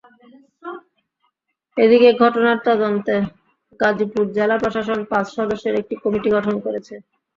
এদিকে ঘটনার তদন্তে গাজীপুর জেলা প্রশাসন পাঁচ সদস্যের একটি কমিটি গঠন করেছে।